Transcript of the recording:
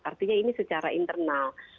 artinya ini secara internal